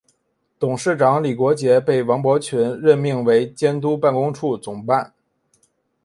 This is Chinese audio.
董事长李国杰被王伯群任命为监督办公处总办。